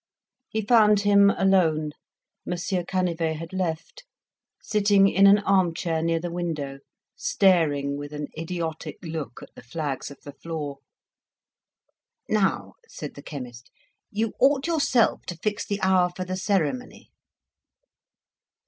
He found him alone (Monsieur Canivet had left), sitting in an arm chair near the window, staring with an idiotic look at the flags of the floor. "Now," said the chemist, "you ought yourself to fix the hour for the ceremony."